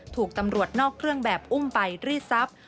ถูกตำรวจนอกเครื่องแบบอุ้มไปรีดทรัพย์